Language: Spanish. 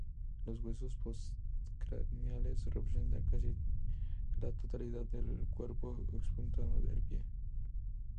Los huesos postcraneales representan casi la totalidad del cuerpo, exceptuando el pie.